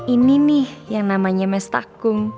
ini nih yang namanya mestakung